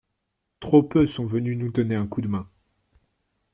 Trop peu sont venus nous donner un coup de main.